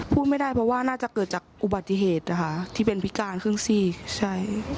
พูดไม่ได้เพราะว่าน่าจะเกิดจากอุบัติเหตุนะคะที่เป็นพิการครึ่งซีกใช่